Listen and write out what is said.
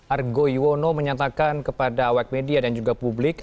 argo iwono menyatakan kepada web media dan juga publik